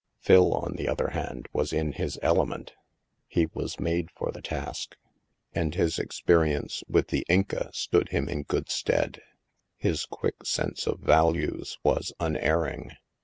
Phil, on the other hand, was in his element; he was made for the task, and his experience with " The Inca '' stood him in good stead. His quick sense of values was unerring.